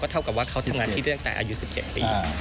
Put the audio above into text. เท่ากับว่าเขาทำงานที่ตั้งแต่อายุ๑๗ปี